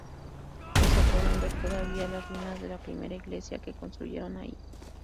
Hoy se pueden ver todavía las ruinas de la primera iglesia que construyeron ahí.